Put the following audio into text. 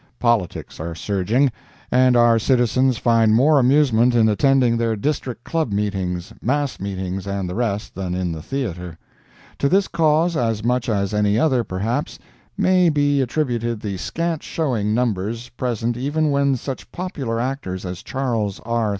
Politics are surging; and our citizens find more amusement in attending their District Club meetings, mass meetings, and the rest, than in the theatre. To this cause as much as any other, perhaps, may be attributed the scant showing numbers present even when such popular actors as Charles R.